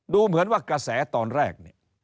ดูเหมือนว่ากระแสตอนแรก